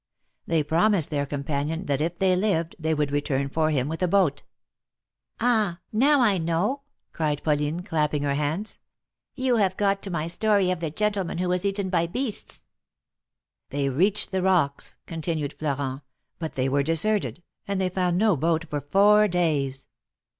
They promised their companion that if they lived, they would return for him with a boat." ^^Ah ! now I know," cried Pauline, clapping her hands. You have got to my story of the gentleman who was eaten by beasts." "They reached the rocks," continued Florent, "but they were deserted, and they found no boat for four days.